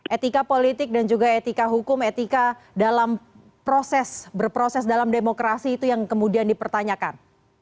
etika politik dan juga etika hukum etika dalam proses berproses dalam demokrasi itu yang kemudian dipertanyakan